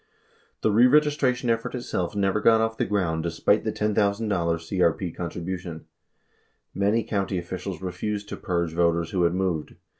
The reregistration effort itself never got off the ground despite the $10,000 CRP contribution. Many county officials refused to "purge" voters who had moved.